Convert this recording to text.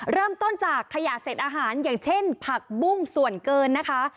เริ่มต้นจากขยะเสร็จอาหารอย่างเช่นผักบุ้งส่วนเกินนะคะ